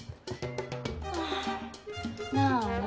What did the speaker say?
ああなに？